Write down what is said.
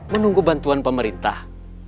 menunggu bantuan pemerintah